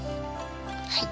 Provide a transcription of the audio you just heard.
はい。